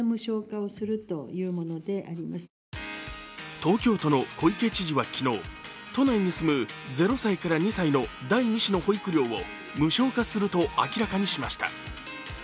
東京都の小池知事は昨日都内に住む０歳から２歳の第２子の保育料を無償化すると明らかにしました。